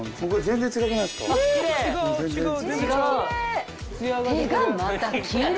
全然違う」